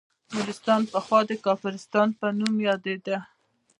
نورستان پخوا د کافرستان په نوم یادیده